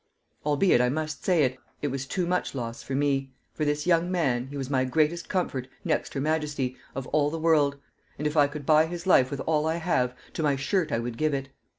Albeit, I must say it, it was too much loss for me; for this young man, he was my greatest comfort, next her majesty, of all the world; and if I could buy his life with all I have, to my shirt I would give it.